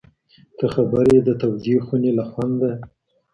ته خبر یې د تودې خوني له خونده؟